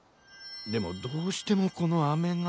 でもどうしてもこのアメが。